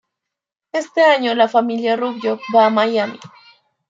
Este año, la familia Rubio va a Miami.